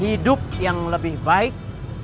hidup yang lebih baik